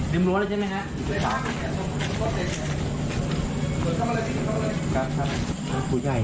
ดึงล้วนี่ใช่ไหมฮะ